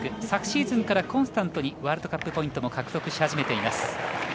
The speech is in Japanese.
昨シーズンから、コンスタントにワールドカップポイントも獲得し始めています。